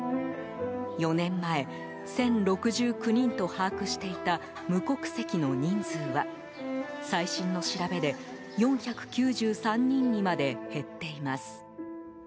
４年前、１０６９人と把握していた無国籍の人数は最新の調べで４９３人にまで減っています。